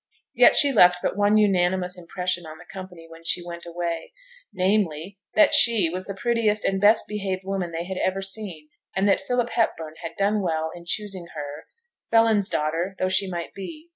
Yet she left but one unanimous impression on the company when she went away, namely, that she was the prettiest and best behaved woman they had ever seen, and that Philip Hepburn had done well in choosing her, felon's daughter though she might be.